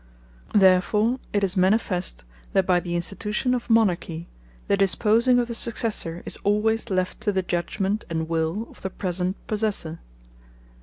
Therfore it is manifest, that by the Institution of Monarchy, the disposing of the Successor, is alwaies left to the Judgment and Will of the present Possessor.